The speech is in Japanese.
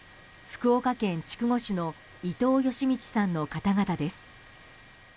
福岡県筑後市の伊藤嘉通さんの方々です。